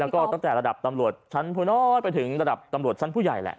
แล้วก็ตั้งแต่ระดับตำรวจชั้นผู้น้อยไปถึงระดับตำรวจชั้นผู้ใหญ่แหละ